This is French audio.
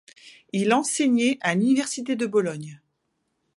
Il enseignait à l’Université de Bologne.